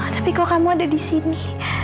tapi kok kamu ada di sini